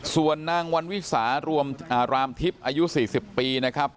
ส่วนนางวันวิสารวมามทิพย์อายุ๔๐ปีนะครับ